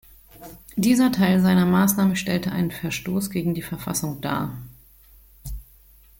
Dieser Teil seiner Maßnahme stellte einen Verstoß gegen die Verfassung dar.